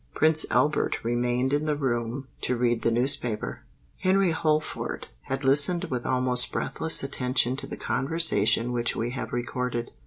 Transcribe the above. Prince Albert remained in the room to read the newspaper. Henry Holford had listened with almost breathless attention to the conversation which we have recorded.